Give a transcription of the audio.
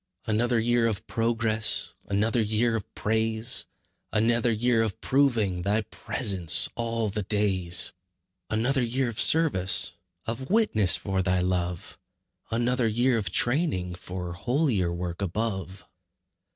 Another year of progress, Another year of praise; Another year of proving Thy presence 'all the days.' Another year of service, Of witness for Thy love; Another year of training For holier work above.